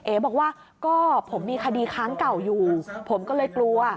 บอกว่าก็ผมมีคดีค้างเก่าอยู่ผมก็เลยกลัว